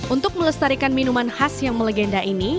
untuk melestarikan minuman khas yang melegenda ini